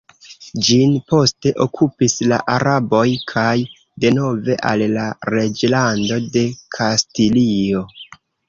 Ĝin poste okupis la araboj, kaj denove al la reĝlando de Kastilio.